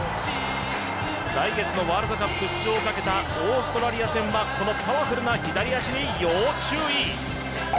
来月のワールドカップ出場をかけたオーストラリア戦はこのパワフルな左足に要注意。